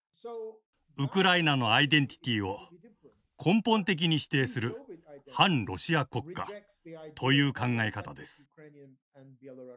ウクライナのアイデンティティを根本的に否定する汎ロシア国家という考え方です。